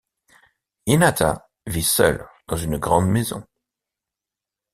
Hinata vit seule dans une grande maison.